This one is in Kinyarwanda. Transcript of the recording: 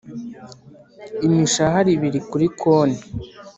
Imishahara ibiri kuri konti